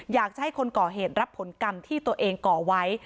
อยากจะให้คนก่อเหตุรับผลกรรมที่ตัวเองก่อไว้